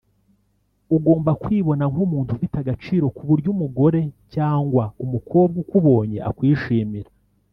ugomba kwibona nk’umuntu ufite agaciro ku buryo umugore cyangwa umukobwa ukubonye akwishimira